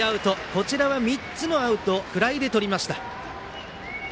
こちらは３つのアウトをフライでとりました。